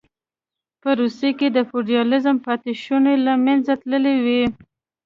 په روسیه کې د فیوډالېزم پاتې شوني له منځه تللې وې